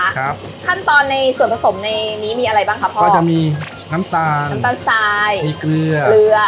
ครับขั้นตอนในส่วนผสมในนี้มีอะไรบ้างครับพ่อก็จะมีน้ำตาลน้ำตาลทรายมีเกลือเกลือ